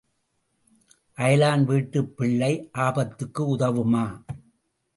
அயலான் வீட்டுப் பிள்ளை ஆபத்துக்கு உதவுமா?